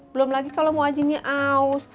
belum lagi kalau mau anjingnya aus